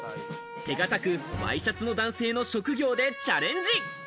手堅くワイシャツの男性の職業でチャレンジ。